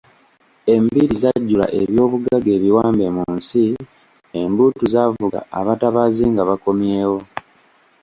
"Embiri zajjula eby'obugagga ebiwambe mu nsi, embuutu zaavuga abatabaazi nga bakomyewo."